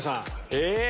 え？